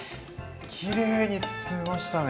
きれいに包めましたね。